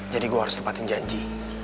jadi gue harus lepatin janji